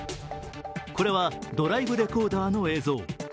これはドライブレコーダーの映像。